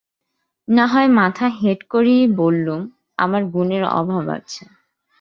নাহয় মাথা হেঁট করেই বললুম আমার গুণের অভাব আছে।